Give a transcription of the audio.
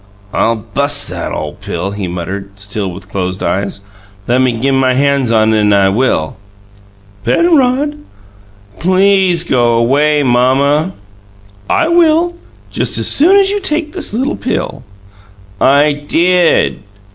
"I'll BUST that ole pill," he muttered, still with closed eyes. "Lemme get my han's on it an' I will!" "Penrod!" "PLEASE go on away, mamma!" "I will, just as soon as you take this little pill." "I DID!"